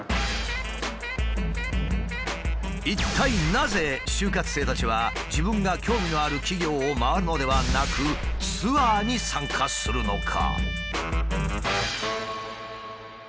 一体なぜ就活生たちは自分が興味のある企業を回るのではなくツアーに参加するのか？